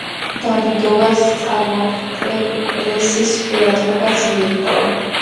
დავიდოვას წარმატებამ პრესის ყურადღებაც მიიპყრო.